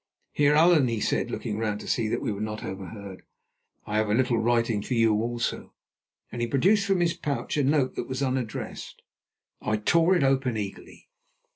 "Heer Allan," he said, looking round to see that we were not overheard, "I have a little writing for you also," and he produced from his pouch a note that was unaddressed. I tore it open eagerly.